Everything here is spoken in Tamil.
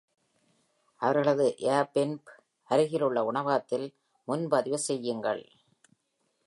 அவர்களது AIRBNBக்கு அருகிலுள்ள உணவகத்தில் முன்பதிவு செய்யுங்கள்